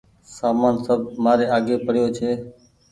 سامان سب مآري آگي پڙيو ڇي